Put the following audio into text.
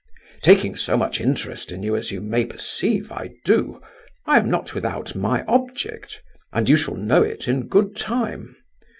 Taking so much interest in you as you may perceive I do, I am not without my object, and you shall know it in good time.